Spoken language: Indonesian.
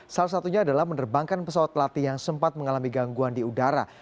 salah satunya adalah menerbangkan pesawat pelatih yang sempat mengalami gangguan di udara